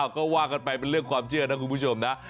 ก็ว่ากันไปเป็นเรื่องความเชื่อนะคุณผู้ชมนะ